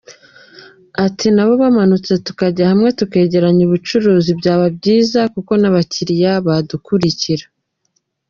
Ati “Nabo bamanutse tukajya hamwe tukegeranya ubucuruzi, byaba byiza kuko n’abakiriya badukurikira.